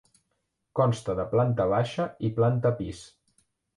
Consta de planta baixa i planta pis.